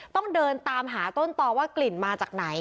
ต้องเดินตามหาต้นต่อว่ากลิ่นมาจากไหน